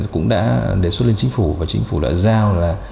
cũng đã đề xuất lên chính phủ và chính phủ đã giao là